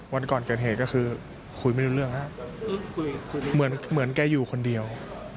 วันก่อนเกิดเหตุก็คือคุยไม่รู้เรื่องครับเหมือนแกอยู่คนเดียว